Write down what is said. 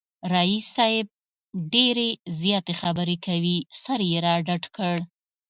رییس صاحب ډېرې زیاتې خبری کوي، سر یې را ډډ کړ